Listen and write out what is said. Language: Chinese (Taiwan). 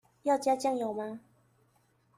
要加醬油嗎？